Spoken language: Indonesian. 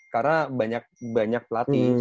karena banyak banyak pelatih sebenernya